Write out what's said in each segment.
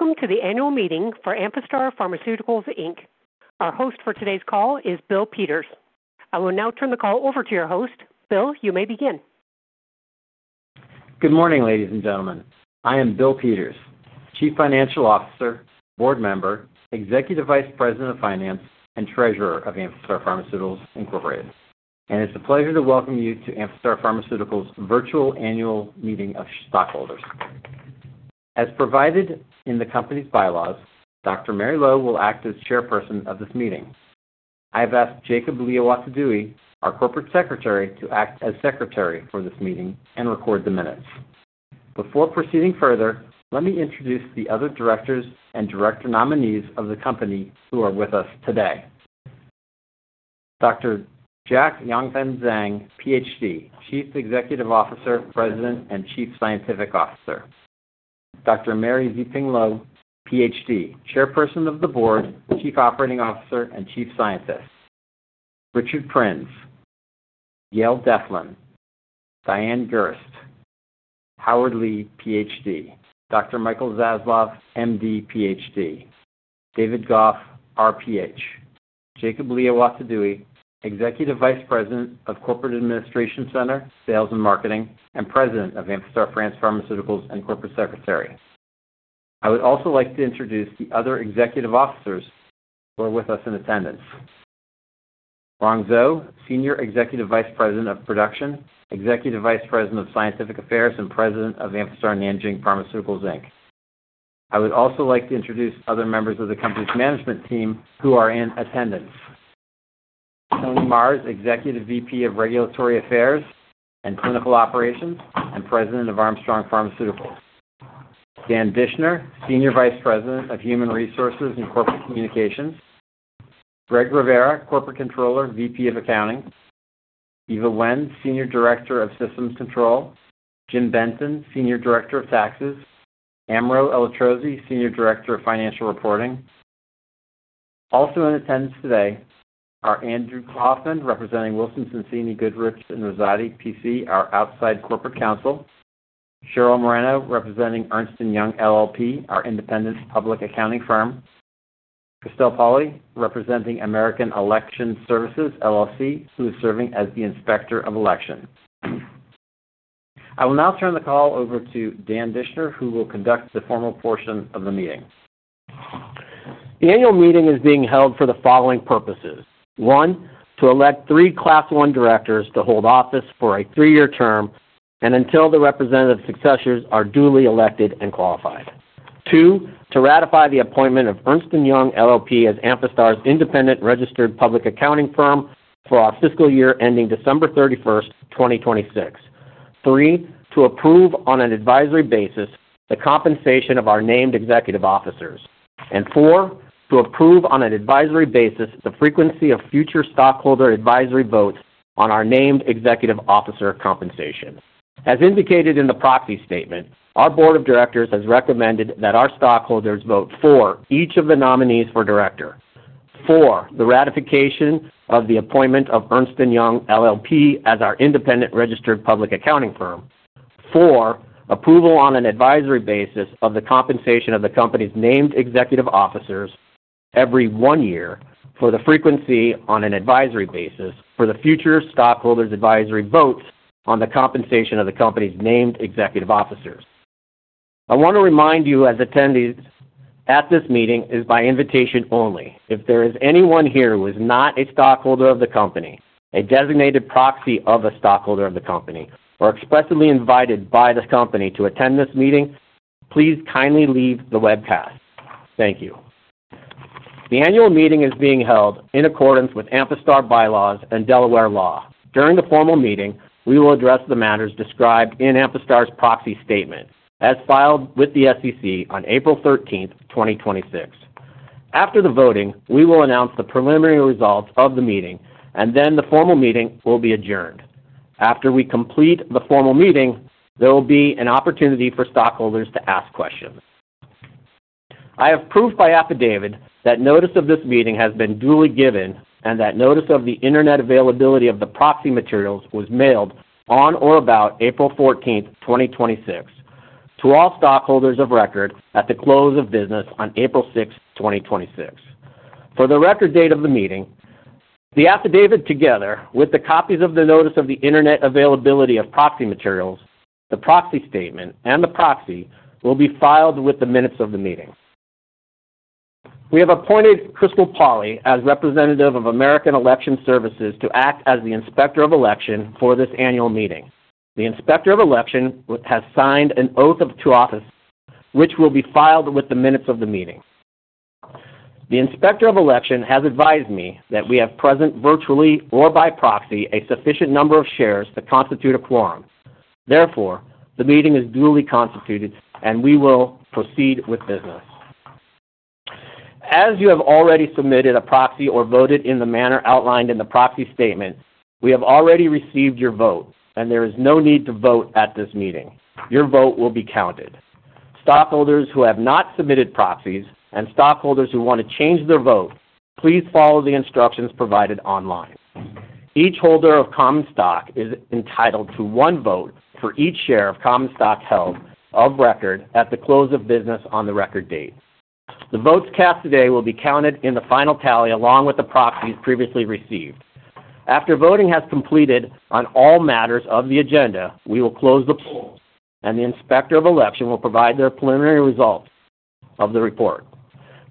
Welcome to the annual meeting for Amphastar Pharmaceuticals, Inc.. Our host for today's call is William Peters. I will now turn the call over to your host. William, you may begin. Good morning, ladies and gentlemen. I am William Peters, Chief Financial Officer, Board Member, Executive Vice President of Finance, and Treasurer of Amphastar Pharmaceuticals, Inc. It's a pleasure to welcome you to Amphastar Pharmaceuticals' Virtual Annual Meeting of Stockholders. As provided in the company's bylaws, Dr. Mary Luo will act as chairperson of this meeting. I've asked Jacob Liawatidewi, our Corporate Secretary, to act as secretary for this meeting and record the minutes. Before proceeding further, let me introduce the other directors and director nominees of the company who are with us today. Dr. Jack Zhang, Ph.D., Chief Executive Officer, President, and Chief Scientific Officer. Dr. Mary Luo, Ph.D., Chairperson of the Board, Chief Operating Officer, and Chief Scientist. Richard Prins, Gayle Deflin, Diane Gerst, Howard Lee, Ph.D., Michael Zasloff, M.D., Ph.D., David Gaugh, RPh, Jacob Liawatidewi, Executive Vice President of Corporate Administration Center, Sales and Marketing, and President of Amphastar France Pharmaceuticals and Corporate Secretary. I would also like to introduce the other Executive Officers who are with us in attendance. Rong Zhou, Senior Executive Vice President of Production, Executive Vice President of Scientific Affairs, and President of Amphastar Nanjing Pharmaceuticals, Inc. I would also like to introduce other members of the company's management team who are in attendance. Tony Marrs, Executive VP of Regulatory Affairs and Clinical Operations and President of Armstrong Pharmaceuticals. Dan Dischner, Senior Vice President of Human Resources and Corporate Communications. Greg Rivera, Corporate Controller, VP of Accounting. Eva Wen, Senior Director of Systems Control. Jim Benson, Senior Director of Taxes. Amro Elatrozy, Senior Director of Financial Reporting. Also in attendance today are Andrew Kaufman, representing Wilson Sonsini Goodrich & Rosati, P.C., our outside corporate counsel. Cheryl Moreno, representing Ernst & Young LLP, Our independent public accounting firm. Christelle Polly, representing American Election Services, LLC, who is serving as the Inspector of Election. I will now turn the call over to Dan Dischner, who will conduct the formal portion of the meeting. The annual meeting is being held for the following purposes. One, to elect three Class I directors to hold office for a three-year term and until the representative successors are duly elected and qualified. Two, to ratify the appointment of Ernst & Young LLP as Amphastar's independent registered public accounting firm for our fiscal year ending December 31st, 2026. Three, to approve on an advisory basis the compensation of our named executive officers. Four, to approve on an advisory basis the frequency of future stockholder advisory votes on our named executive officer compensation. As indicated in the proxy statement, our board of directors has recommended that our stockholders vote for each of the nominees for director. Four, the ratification of the appointment of Ernst & Young LLP as our independent registered public accounting firm. Four, approval on an advisory basis of the compensation of the company's named executive officers every one year for the frequency on an advisory basis for the future stockholders' advisory votes on the compensation of the company's named executive officers. I want to remind you as attendees at this meeting is by invitation only. If there is anyone here who is not a stockholder of the company, a designated proxy of a stockholder of the company, or expressly invited by this company to attend this meeting, please kindly leave the webcast. Thank you. The annual meeting is being held in accordance with Amphastar bylaws and Delaware law. During the formal meeting, we will address the matters described in Amphastar's proxy statement as filed with the SEC on April 13th, 2026. After the voting, we will announce the preliminary results of the meeting, then the formal meeting will be adjourned. After we complete the formal meeting, there will be an opportunity for stockholders to ask questions. I have proof by affidavit that notice of this meeting has been duly given and that notice of the internet availability of the proxy materials was mailed on or about April 14th, 2026, to all stockholders of record at the close of business on April 6th, 2026. For the record date of the meeting, the affidavit together with the copies of the notice of the internet availability of proxy materials, the proxy statement, and the proxy will be filed with the minutes of the meeting. We have appointed Christelle Polly as representative of American Election Services to act as the Inspector of Election for this annual meeting. The Inspector of Election has signed an oath to office, which will be filed with the minutes of the meeting. The Inspector of Election has advised me that we have present virtually or by proxy a sufficient number of shares to constitute a quorum. The meeting is duly constituted, and we will proceed with business. As you have already submitted a proxy or voted in the manner outlined in the proxy statement, we have already received your vote, and there is no need to vote at this meeting. Your vote will be counted. Stockholders who have not submitted proxies and stockholders who want to change their vote, please follow the instructions provided online. Each holder of common stock is entitled to one vote for each share of common stock held of record at the close of business on the record date. The votes cast today will be counted in the final tally along with the proxies previously received. After voting has completed on all matters of the agenda, we will close the polls and the inspector of election will provide their preliminary results of the report.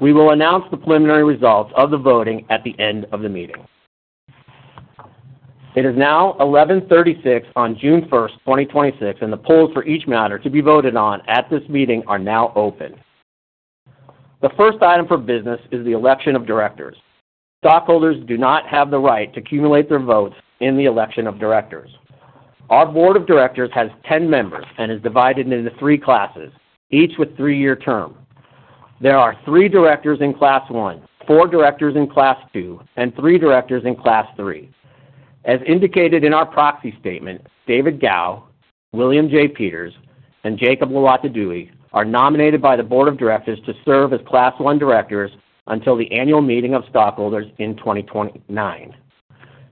We will announce the preliminary results of the voting at the end of the meeting. It is now 11:36 A.M. on June 1st, 2026, and the polls for each matter to be voted on at this meeting are now open. The first item for business is the election of directors. Stockholders do not have the right to accumulate their votes in the election of directors. Our board of directors has 10 members and is divided into three classes, each with three-year term. There are three directors in class one, four directors in class two, and three directors in class three. As indicated in our proxy statement, David Gaugh, William J. Peters, and Jacob Liawatidewi are nominated by the board of directors to serve as Class I directors until the annual meeting of stockholders in 2029.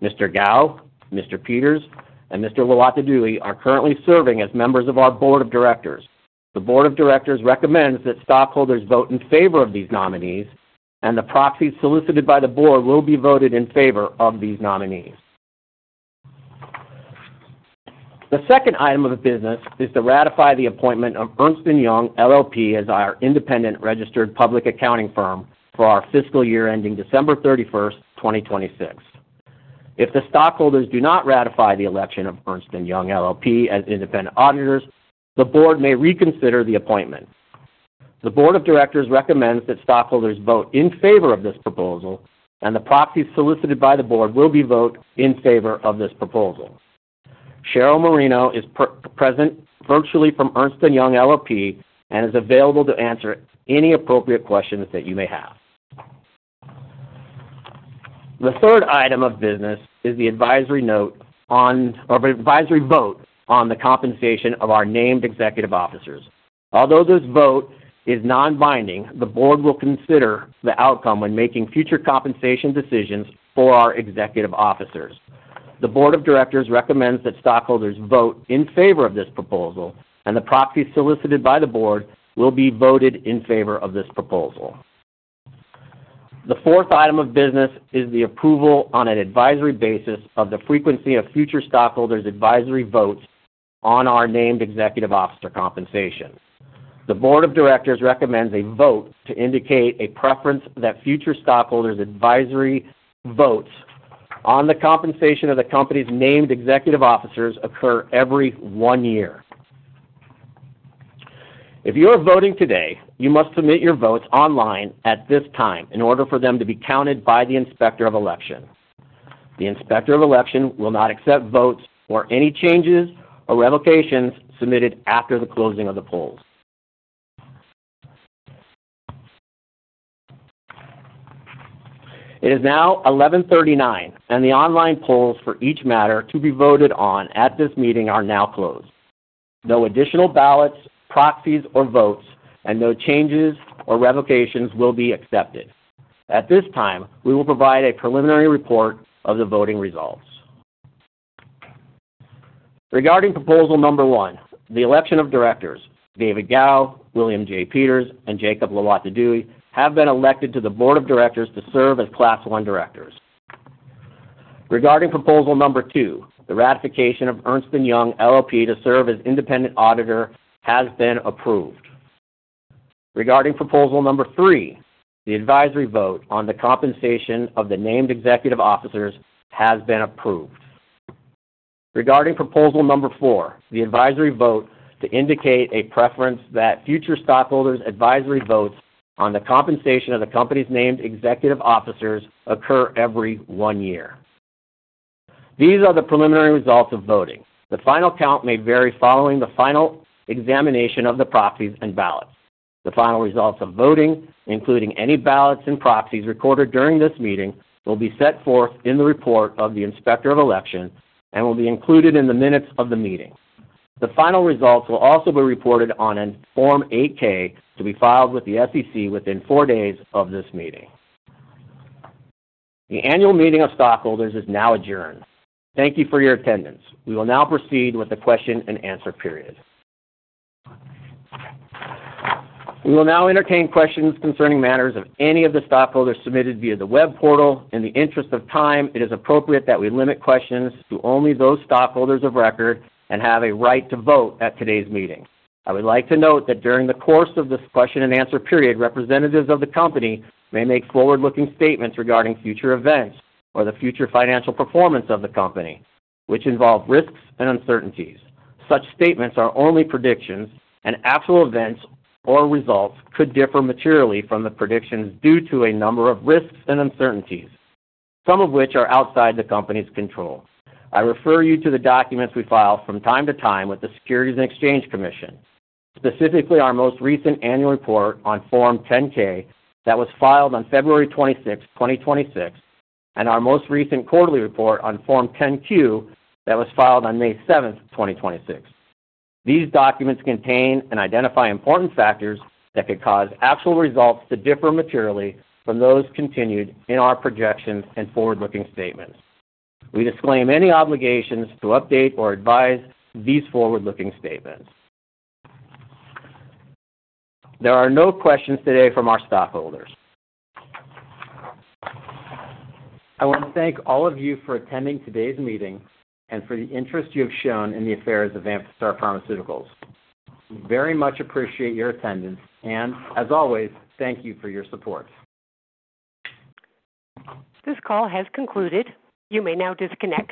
Mr. Gaugh, Mr. Peters, and Mr. Liawatidewi are currently serving as members of our board of directors. The board of directors recommends that stockholders vote in favor of these nominees, and the proxies solicited by the board will be voted in favor of these nominees. The second item of business is to ratify the appointment of Ernst & Young LLP as our independent registered public accounting firm for our fiscal year ending December 31st, 2026. If the stockholders do not ratify the election of Ernst & Young LLP as independent auditors, the board may reconsider the appointment. The board of directors recommends that stockholders vote in favor of this proposal, and the proxies solicited by the board will be vote in favor of this proposal. Cheryl Moreno is present virtually from Ernst & Young LLP and is available to answer any appropriate questions that you may have. The third item of business is the advisory note on, or advisory vote on the compensation of our named executive officers. Although this vote is non-binding, the board will consider the outcome when making future compensation decisions for our executive officers. The board of directors recommends that stockholders vote in favor of this proposal, and the proxies solicited by the board will be voted in favor of this proposal. The fourth item of business is the approval on an advisory basis of the frequency of future stockholders' advisory votes on our named executive officer compensation. The board of directors recommends a vote to indicate a preference that future stockholders' advisory votes on the compensation of the company's named executive officers occur every one year. If you are voting today, you must submit your votes online at this time in order for them to be counted by the inspector of election. The inspector of election will not accept votes or any changes or revocations submitted after the closing of the polls. It is now 11:39, and the online polls for each matter to be voted on at this meeting are now closed. No additional ballots, proxies, or votes, and no changes or revocations will be accepted. At this time, we will provide a preliminary report of the voting results. Regarding proposal number one, the election of directors, David Gaugh, William J. Peters, and Jacob Liawatidewi have been elected to the board of directors to serve as Class I directors. Regarding proposal number two, the ratification of Ernst & Young LLP to serve as independent auditor has been approved. Regarding proposal number three, the advisory vote on the compensation of the named executive officers has been approved. Regarding proposal number four, the advisory vote to indicate a preference that future stockholders' advisory votes on the compensation of the company's named executive officers occur every one year. These are the preliminary results of voting. The final count may vary following the final examination of the proxies and ballots. The final results of voting, including any ballots and proxies recorded during this meeting, will be set forth in the report of the inspector of election and will be included in the minutes of the meeting. The final results will also be reported on in Form 8-K to be filed with the SEC within four days of this meeting. The annual meeting of stockholders is now adjourned. Thank you for your attendance. We will now proceed with the question and answer period. We will now entertain questions concerning matters of any of the stockholders submitted via the web portal. In the interest of time, it is appropriate that we limit questions to only those stockholders of record and have a right to vote at today's meeting. I would like to note that during the course of this question and answer period, representatives of the company may make forward-looking statements regarding future events or the future financial performance of the company, which involve risks and uncertainties. Such statements are only predictions, and actual events or results could differ materially from the predictions due to a number of risks and uncertainties, some of which are outside the company's control. I refer you to the documents we file from time to time with the Securities and Exchange Commission, specifically our most recent annual report on Form 10-K that was filed on February 26th, 2026, and our most recent quarterly report on Form 10-Q that was filed on May 7th, 2026. These documents contain and identify important factors that could cause actual results to differ materially from those continued in our projections and forward-looking statements. We disclaim any obligations to update or revise these forward-looking statements. There are no questions today from our stockholders. I want to thank all of you for attending today's meeting and for the interest you have shown in the affairs of Amphastar Pharmaceuticals. We very much appreciate your attendance, and as always, thank you for your support. This call has concluded. You may now disconnect.